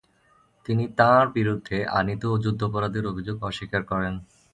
তিনি তাঁর বিরুদ্ধে আনীত যুদ্ধাপরাধের অভিযোগ অস্বীকার করেন।